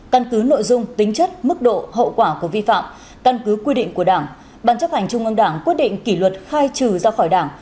căn cứ nội dung tính chất mức độ hậu quả của vi phạm căn cứ quy định của đảng ban chấp hành trung ương đảng quyết định kỷ luật khai trừ ra khỏi đảng